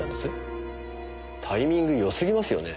タイミングよすぎますよね。